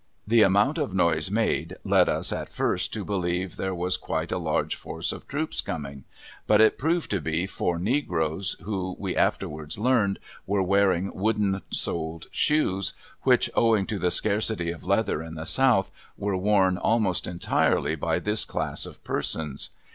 The amount of noise made led us at first to believe there was quite a large force of troops coming, but it proved to be four negroes, who, we afterwards learned, were wearing wooden soled shoes, which, owing to the scarcity of leather in the South, were worn almost entirely by this class of persons.